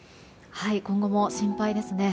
今後も心配ですね。